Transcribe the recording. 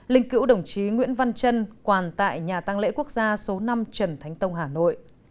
linh cữu đồng chí nguyễn văn trân quàn tại nhà tăng lễ quốc gia số năm trần thánh tông hà nội